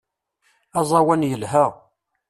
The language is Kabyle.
Aẓawan yelha.